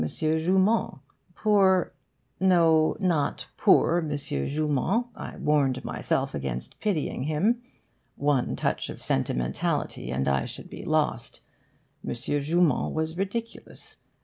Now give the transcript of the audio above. Joumand? Poor no, not poor M. Joumand! I warned myself against pitying him. One touch of 'sentimentality,' and I should be lost. M. Joumand was ridiculous.